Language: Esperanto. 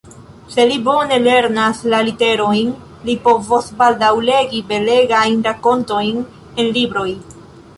Se li bone lernas la literojn, li povos baldaŭ legi belegajn rakontojn en libroj.